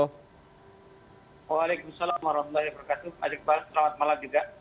waalaikumsalam warahmatullahi wabarakatuh ajak balas selamat malam juga